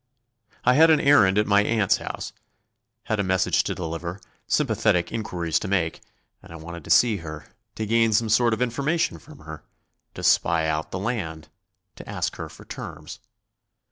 I had an errand at my aunt's house; had a message to deliver, sympathetic enquiries to make and I wanted to see her, to gain some sort of information from her; to spy out the land; to ask her for terms.